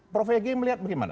prof egy melihat bagaimana